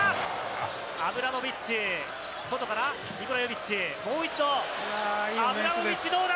アブラモビッチ、外から、もう一度、アブラモビッチ、どうだ？